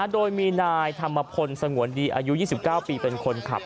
โดยมีนายธรรมพลสงวนดีอายุ๒๙ปีเป็นคนขับ